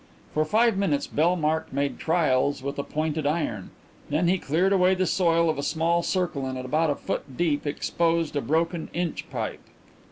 For five minutes Bellmark made trials with a pointed iron. Then he cleared away the soil of a small circle and at about a foot deep exposed a broken inch pipe.